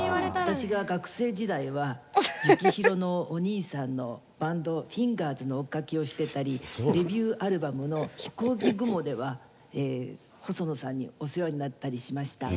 私が学生時代は幸宏のお兄さんのバンドフィンガーズの追っかけをしてたりデビューアルバムの「ひこうき雲」では細野さんにお世話になったりしました。